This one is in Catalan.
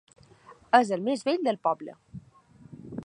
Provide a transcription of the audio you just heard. És el més vell del poble.